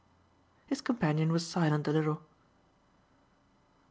His companion was silent a little.